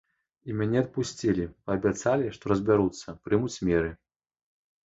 І мяне адпусцілі, паабяцалі, што разбяруцца, прымуць меры.